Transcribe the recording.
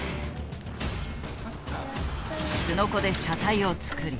すのこで車体を作り。